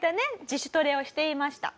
自主トレをしていました。